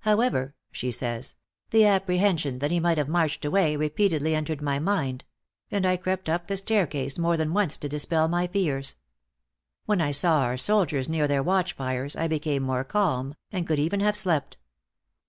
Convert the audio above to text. "However," she says "the apprehension that he might have marched away, repeatedly entered my mind; and I crept up the staircase more than once to dispel my fears. When I saw our soldiers near their watchfires, I became more calm, and could even have slept.